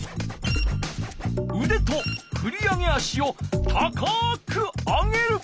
うでとふり上げ足を高く上げる。